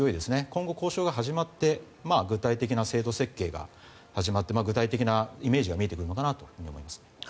今後、交渉が始まって具体的な制度設計が始まって具体的なイメージが見えてくるのかなと思います。